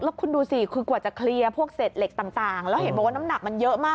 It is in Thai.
แล้วคุณดูสิคือกว่าจะเคลียร์พวกเศษเหล็กต่างแล้วเห็นบอกว่าน้ำหนักมันเยอะมาก